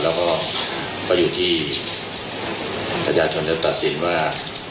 แล้วก็อยู่ที่ประชาชนจะตัดสินว่า